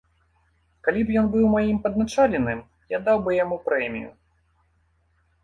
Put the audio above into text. Калі б ён быў маім падначаленым, я даў бы яму прэмію.